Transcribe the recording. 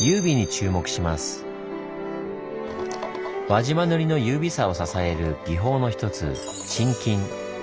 輪島塗の優美さを支える技法の一つ「沈金」。